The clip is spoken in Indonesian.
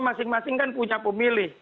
masing masing kan punya pemilih